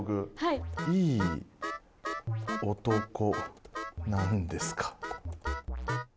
いい男なんですか？